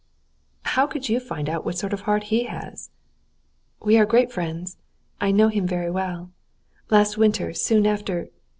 "How could you find out what sort of heart he has?" "We are great friends. I know him very well. Last winter, soon after